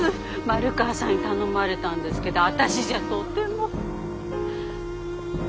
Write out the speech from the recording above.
丸川さんに頼まれたんですけど私じゃとても。